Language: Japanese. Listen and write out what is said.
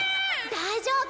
大丈夫。